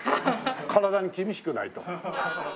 体に厳しくないと。